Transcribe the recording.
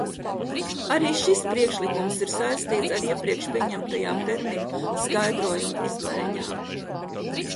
Arī šis priekšlikums ir saistīts ar iepriekš pieņemtajām terminu skaidrojumu izmaiņām.